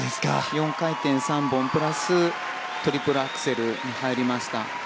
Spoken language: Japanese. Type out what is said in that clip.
４回転３本プラストリプルアクセル入りました。